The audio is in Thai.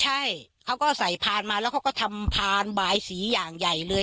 ใช่เขาก็ใส่พานมาแล้วเขาก็ทำพานบายสีอย่างใหญ่เลย